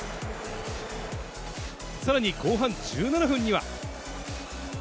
さらに後半１７分には。